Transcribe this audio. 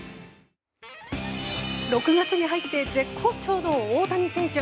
６月に入って絶好調の大谷選手。